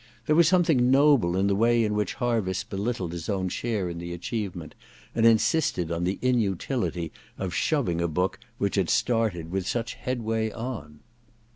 There was something noble in the way in which Harviss belittled his own share in the achieve ment and insisted on the inutility of shoving a book which had started with such headway on.